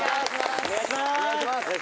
お願いします。